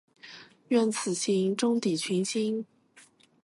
愿此行，终抵群星。